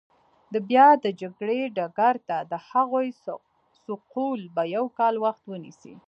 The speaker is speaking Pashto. د بیا د جګړې ډګر ته د هغوی سوقول به یو کال وخت ونیسي.